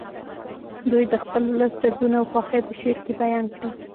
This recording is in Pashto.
دوی د خپل ولس دردونه او خوښۍ په شعر کې بیان کړي